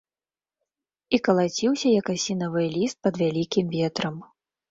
І калаціўся як асінавы ліст пад вялікім ветрам.